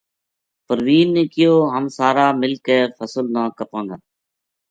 پروین نے کہیو ہم سارا مل کے فصل نا کَپاں گا